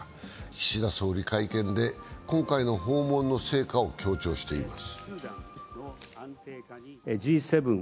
岸田総理は会見で、今回の訪問の成果を強調しています。